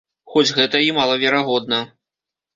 Хоць гэта і малаверагодна.